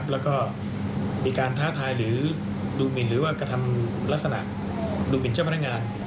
และมีการท้าทายดูหมินหรืออักษรรัสสนักดูหมินเจ้าพนักงาน